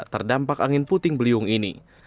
terdampak angin puting beliung ini